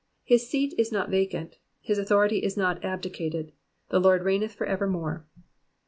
His seat is not vacant ; his authority is not abdicated ; the Lord reigneth evermore.